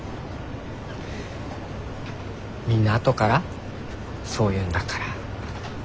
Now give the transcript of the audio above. みんな後からそう言うんだから。